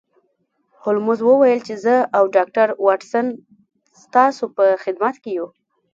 هولمز وویل چې زه او ډاکټر واټسن ستاسو په خدمت کې یو